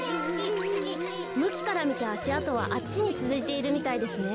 むきからみてあしあとはあっちにつづいているみたいですね。